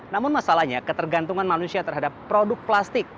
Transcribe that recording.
namun masalahnya ketergantungan manusia terhadap produk plastik